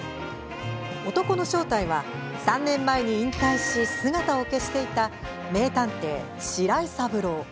男の正体は３年前に引退し姿を消していた名探偵、白井三郎。